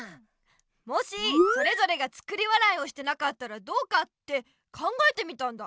「もしそれぞれが『作り笑い』をしてなかったらどうか？」って考えてみたんだ。